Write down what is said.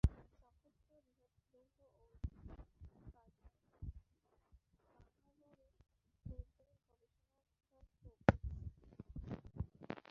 জামসেদপুরে বৃহৎ লৌহ ও ইস্পাতের কারখানা, বাঙ্গালোরে বৈজ্ঞানিক গবেষণাগার প্রভৃতি প্রতিষ্ঠাতা।